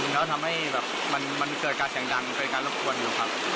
แล้วทำให้แบบมันเกิดการเสียงดังเป็นการรบกวนอยู่ครับ